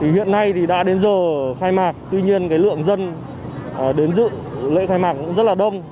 hiện nay thì đã đến giờ khai mạc tuy nhiên lượng dân đến dự lễ khai mạc cũng rất là đông